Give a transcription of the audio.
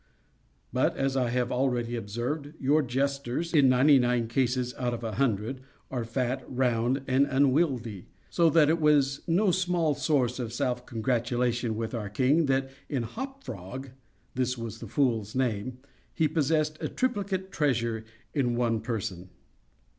But, as I have already observed, your jesters, in ninety nine cases out of a hundred, are fat, round, and unwieldy—so that it was no small source of self gratulation with our king that, in Hop Frog (this was the fool's name), he possessed a triplicate treasure in one person.